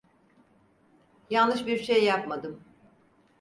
Yanlış bir şey yapmadım.